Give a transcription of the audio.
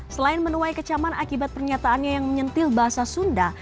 selain menuai kecaman akibat pernyataannya yang menyentil bahasa sunda